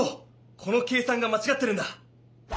この計算がまちがってるんだ！